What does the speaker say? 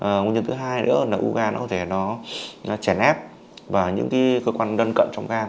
nguyên nhân thứ hai nữa là ưu gan có thể trẻ nét và những cơ quan đơn cận trong gan